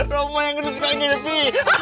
romlah yang gede suka gede pi